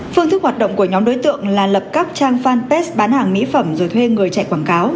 phương thức hoạt động của nhóm đối tượng là lập các trang fanpage bán hàng mỹ phẩm rồi thuê người chạy quảng cáo